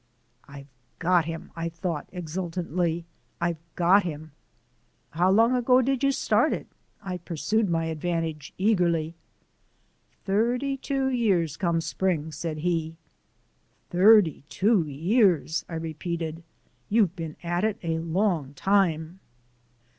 "I've got him," I thought exultantly, "I've got him!" "How long ago did you start it?" I pursued my advantage eagerly. "Thirty two years come spring," said he. "Thirty two years!" I repeated; "you've been at it a long time."